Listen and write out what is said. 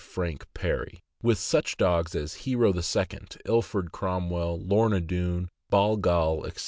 Frank Perry, with such dogs as Hero II., Ilford Cromwell, Lorna Doone, Bal Gal, etc.